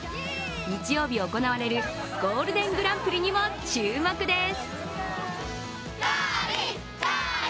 日曜日行われるゴールデングランプリにも注目です。